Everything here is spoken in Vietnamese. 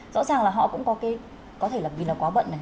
rõ ràng là họ cũng có cái có thể là vì là quá bận này